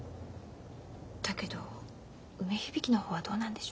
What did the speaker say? だけど梅響の方はどうなんでしょう。